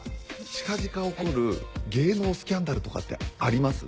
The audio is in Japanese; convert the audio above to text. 近々起こる芸能スキャンダルとかってあります？